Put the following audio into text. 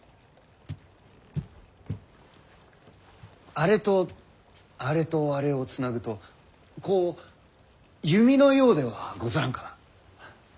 あれとあれとあれをつなぐとこう弓のようではござらんか？